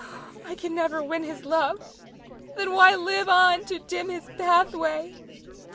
I can never win his love, then why live on to dim his pathway.